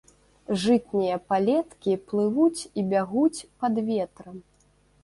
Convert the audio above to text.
Жытнія палеткі плывуць і бягуць пад ветрам.